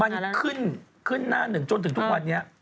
มันขึ้นขึ้นหน้าหนึ่งจนถึงทุกวันนี้